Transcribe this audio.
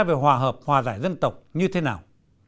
về hòa hợp hòa giải dân tộc như thế nào